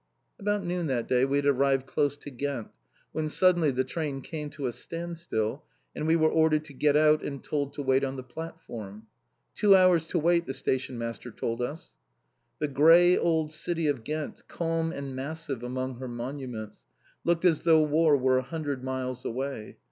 _" About noon that day we had arrived close to Ghent, when suddenly the train came to a standstill, and we were ordered to get out and told to wait on the platform. "Two hours to wait!" the stationmaster told us. The grey old city of Ghent, calm and massive among her monuments, looked as though war were a hundred miles away.